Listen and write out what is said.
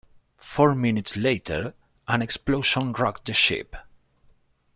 Four minutes later an explosion rocked the ship.